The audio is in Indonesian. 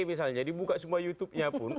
misalnya dibuka semua youtubenya pun